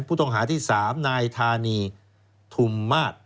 ผู้ต้องหาที่๓นายธานีทุมมาตร